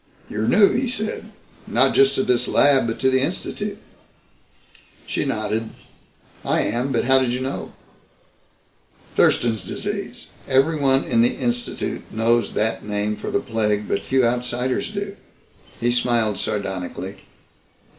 "You're new," he said. "Not just to this lab but to the Institute." [Illustration: ILLUSTRATED BY BARBERIS] She nodded. "I am, but how did you know?" "Thurston's Disease. Everyone in the Institute knows that name for the plague, but few outsiders do." He smiled sardonically.